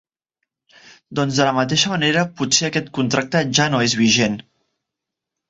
Doncs de la mateixa manera potser aquest contracte ja no és vigent.